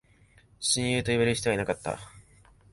親友と呼べる人はいなかった